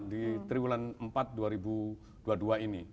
di triwulan empat dua ribu dua puluh dua ini